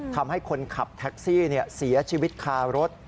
ทำให้คนขับแท็กซี่เสียชีวิตคารถ